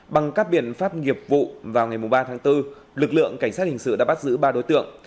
bằng các biện pháp nghiệp vụ vào ngày ba tháng bốn lực lượng cảnh sát hình sự đã bắt giữ ba đối tượng